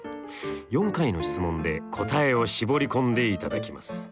４回の質問で答えを絞り込んでいただきます。